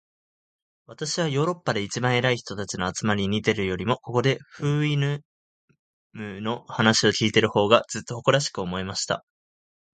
私はヨーロッパで一番偉い人たちの集まりに出るよりも、ここで、フウイヌムの話を開いている方が、ずっと誇らしく思えました。